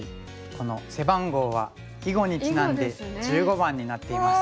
この背番号は「囲碁」にちなんで「１５」番になっています。